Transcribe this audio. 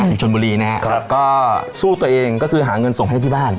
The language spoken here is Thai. อยู่ชนบุรีนะครับก็สู้ตัวเองก็คือหาเงินส่งให้ที่บ้าน